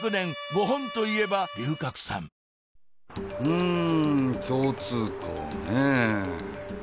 うん共通項ね。